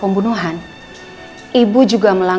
pengen narik dimilkin